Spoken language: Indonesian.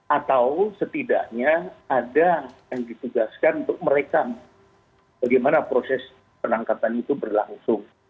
atau setidaknya ada yang ditugaskan untuk merekam bagaimana proses penangkapan itu berlangsung